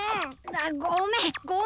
ごめんごめんって。